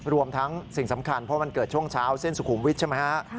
รวมทั้งสิ่งสำคัญเพราะมันเกิดช่วงเช้าเส้นสุขุมวิทย์ใช่ไหมฮะ